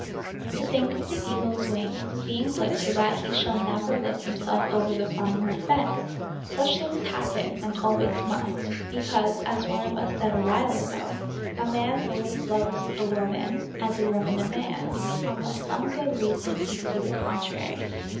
To think of the eagle's wings, being clipped so that he shall never lift himself over the farm yard fence! Such things happen, and always must, because, as one of us said awhile ago, a man always loves, a woman, and a woman a man, unless some good reason exists to the contrary.